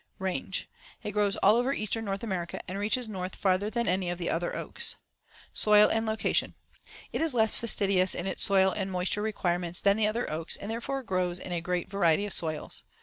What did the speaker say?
Range: It grows all over Eastern North America and reaches north farther than any of the other oaks. Soil and location: It is less fastidious in its soil and moisture requirements than the other oaks and therefore grows in a great variety of soils.